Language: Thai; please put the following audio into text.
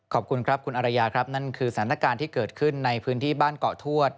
ขอบคุณครับคุณอารยาครับนั่นคือสถานการณ์ที่เกิดขึ้นในพื้นที่บ้านเกาะทวด